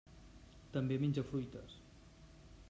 També menja fruites.